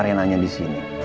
renanya di sini